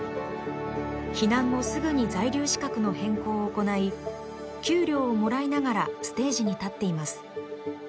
避難後すぐに在留資格の変更を行い給料をもらいながらステージに立っています。